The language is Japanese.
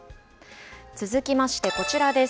続きまして、こちらです。